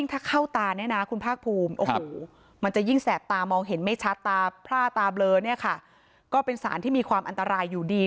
ผ้าตาเบลอเนี่ยค่ะก็เป็นสารที่มีความอันตรายอยู่ดี